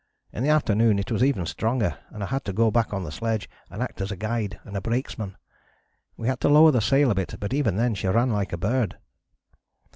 In the afternoon it was even stronger, and I had to go back on the sledge and act as guide and brakesman. We had to lower the sail a bit, but even then she ran like a bird.